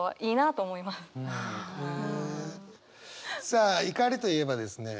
さあ怒りといえばですね